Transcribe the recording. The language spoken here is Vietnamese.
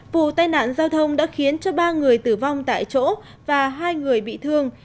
vụ tai nạn giao thông đã khiến cho ba người tử vong tại chỗ và hai người bị thương